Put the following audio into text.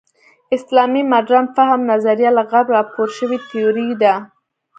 اسلامي مډرن فهم نظریه له غرب راپور شوې تیوري ده.